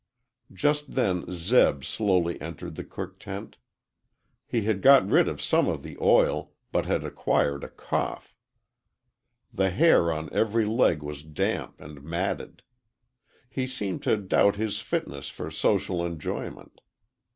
Just then Zeb slowly entered the cook tent. He had got rid of some of the oil, but had acquired a cough. The hair on every leg was damp and matted. He seemed to doubt his fitness for social enjoyment.